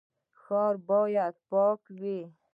ښار باید پاک وي